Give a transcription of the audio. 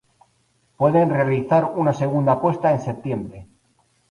Pueden realizar una segunda puesta en septiembre.